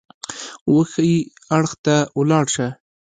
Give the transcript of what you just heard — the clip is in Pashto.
وښي اړخ ته ولاړ شه !